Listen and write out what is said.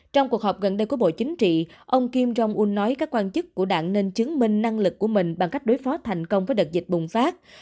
trong cuộc họp gần đây của bộ chính trị ông kim jong un nói các quan chức của đảng nên chứng minh năng lực của mình bằng cách đối phó thành công với đợt dịch bùng phát